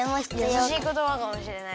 やさしいことばかもしれない。